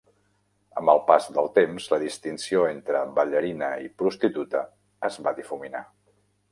Amb el pas del temps, la distinció entre "ballarina" i "prostituta" es va difuminar.